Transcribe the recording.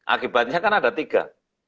akibatnya kan ada tiga